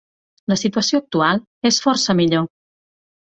La situació actual és força millor.